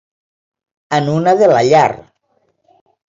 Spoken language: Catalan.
En una de la llar.